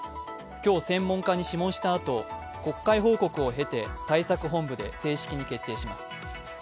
今日、専門家に諮問したあと、国会報告を経て対策本部で正式に決定します。